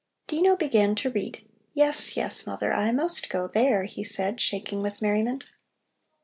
Dino began to read. "Yes, yes, mother, I must go there," he said, shaking with merriment.